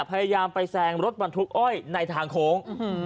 พยายามไปแซงรถบรรทุกอ้อยในทางโค้ง